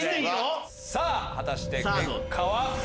さぁ果たして結果は？